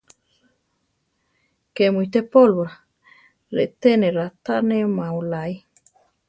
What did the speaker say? ¿Ké mu ité pólvora? reté ne raʼtánema oláe.